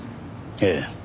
ええ。